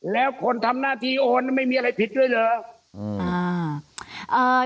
แล้วคนทำหน้าที่โอนไม่มีอะไรผิดด้วยเหรอ